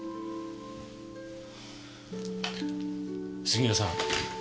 杉浦さん